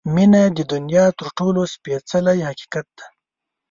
• مینه د دنیا تر ټولو سپېڅلی حقیقت دی.